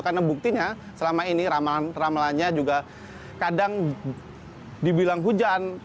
karena buktinya selama ini ramalannya juga kadang dibilang hujan